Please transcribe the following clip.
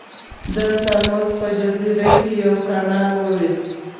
د ساموس په جزیره کې یې یو کانال وویست.